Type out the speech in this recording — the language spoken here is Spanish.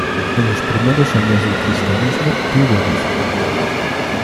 En los primeros años del cristianismo tuvo obispo.